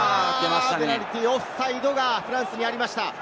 ペナルティー、オフサイドがフランスにありました。